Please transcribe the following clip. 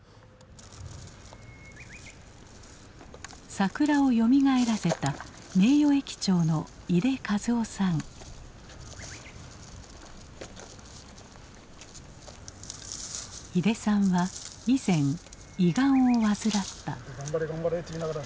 桜をよみがえらせた名誉駅長の井手さんは以前胃がんを患った。